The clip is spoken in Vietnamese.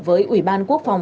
với ủy ban quốc phòng